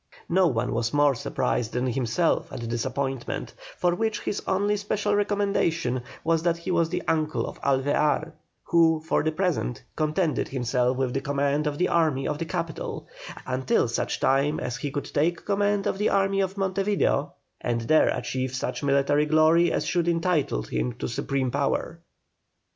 No one was more surprised than himself at this appointment, for which his only special recommendation was that he was the uncle of Alvear, who for the present contented himself with the command of the army of the capital, until such time as he could take command of the army of Monte Video, and there achieve such military glory as should entitle him to supreme power.